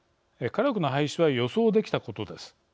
火力の廃止は予想できたことです。